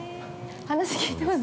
話聞いてます？